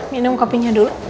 minum kopinya dulu